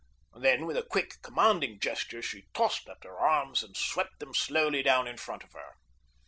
Then with a quick, commanding gesture she tossed up her arms and swept them slowly down in front of her.